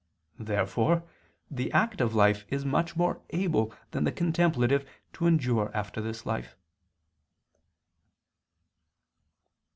Therefore the active life is much more able than the contemplative to endure after this life.